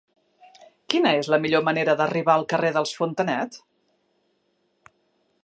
Quina és la millor manera d'arribar al carrer dels Fontanet?